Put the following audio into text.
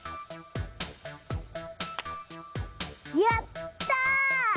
やった！